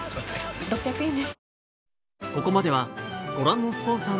６００円です。